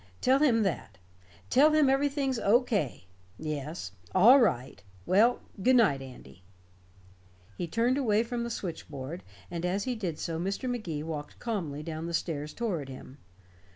Tell him that. Tell him everything's O. K. Yes. All right. Well, good night, Andy." He turned away from the switchboard, and as he did so Mr. Magee walked calmly down the stairs toward him.